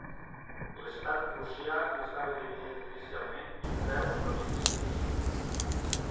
L'estat prussià estava dividit inicialment en deu províncies.